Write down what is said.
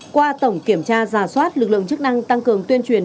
qua tổng kiểm tra giả soát lực lượng chức năng tăng cường tuyên truyền